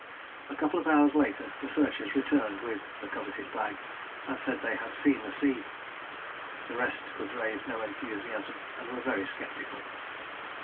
A couple of hours later the searchers returned with the coveted bag, and said they had seen the sea; the rest could raise no enthusiasm, and were very sceptical.